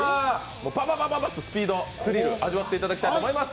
バババッとスピード、スリルを味わっていただきたいと思います。